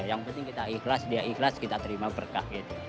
yang penting kita ikhlas dia ikhlas kita terima berkah gitu